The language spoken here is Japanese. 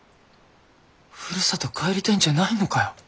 ふるさと帰りたいんじゃないのかよ。